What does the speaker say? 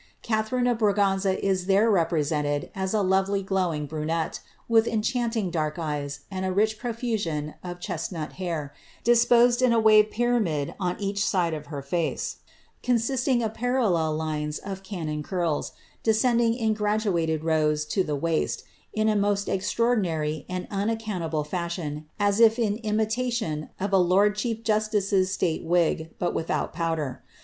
Catharine of Braganza is there represented as a lovely glowing brunette, with enchanting dark eyes, and a rich profusion d chestnut hair, disposed in a waved pyramid on each side of her fiice, con sisting of parallel lines of cannon curls, descending in graduated rows to the waist, in a most extraordinary and unaccountable fashion, as if ii imitation of a lord chief justice^s state wig, but without powder.